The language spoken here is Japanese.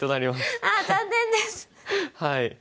はい。